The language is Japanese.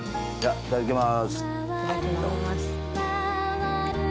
いただきます。